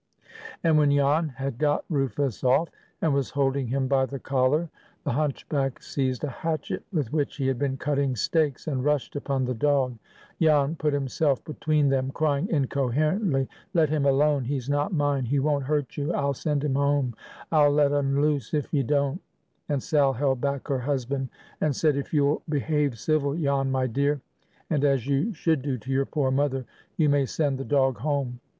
And when Jan had got Rufus off, and was holding him by the collar, the hunchback seized a hatchet with which he had been cutting stakes, and rushed upon the dog. Jan put himself between them, crying incoherently, "Let him alone! He's not mine—he won't hurt you—I'll send him home—I'll let un loose if ye don't;" and Sal held back her husband, and said, "If you'll behave civil, Jan, my dear, and as you should do to your poor mother, you may send the dog home.